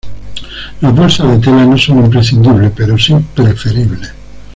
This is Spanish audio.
Las bolsas de tela no son imprescindibles pero sí preferibles.